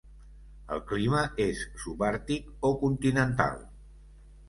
El clima és subàrtic o continental.